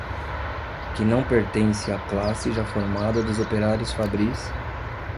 que não pertence à classe já formada dos operários fabris